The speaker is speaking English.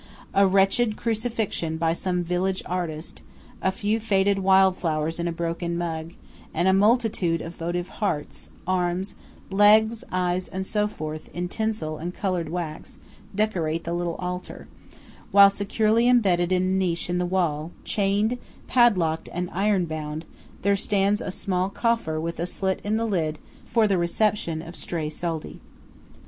A wretched crucifixion by some village artist, a few faded wild flowers in a broken mug, and a multitude of votive hearts, arms, legs, eyes and so forth, in tinsel and coloured wax, decorate the little altar; while securely embedded in a niche in the wall, chained, padlocked, and iron bound, there stands a small coffer with a slit in the lid, for the reception of stray soldi.